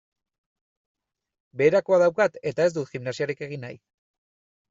Beherakoa daukat eta ez dut gimnasiarik egin nahi.